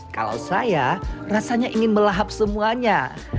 kalau saya rasanya ingin melahap semuanya